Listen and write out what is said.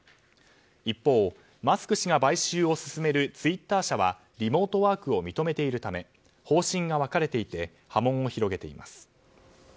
一方、マスク氏が買収を進めるツイッター社はリモートワークを認めているため方針が分かれていて波紋を広げています。